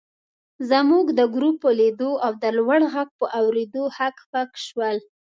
زموږ د ګروپ په لیدو او د لوړ غږ په اورېدو هک پک شول.